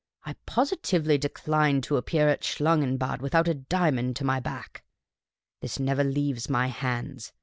I positively decline to appear at Schlangenbad without a dia mond to my back. This never leaves my hands.